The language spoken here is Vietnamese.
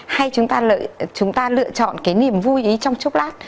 hay chúng ta lựa chọn cái niềm vui ấy trong chốc lát